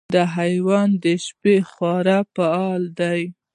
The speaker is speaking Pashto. دا حیوان د شپې خورا فعال دی.